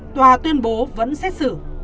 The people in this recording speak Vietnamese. tòa tuyên bố vẫn xét xử